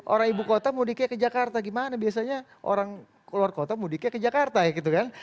orang ibu kota mudiknya ke jakarta gimana biasanya orang keluar kota mudiknya ke jakarta ya gitu kan